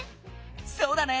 そうだね！